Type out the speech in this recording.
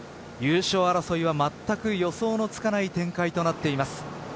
優勝争いは全く予想のつかない展開となっています。